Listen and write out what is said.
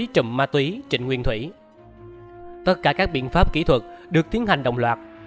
tất cả các biện pháp kỹ thuật được tiến hành đồng loạt